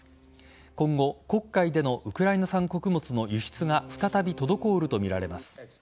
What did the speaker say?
今後、黒海でのウクライナ産穀物の輸出が再び滞るとみられます。